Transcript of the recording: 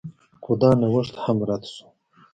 خو دا نوښت هم رد شو.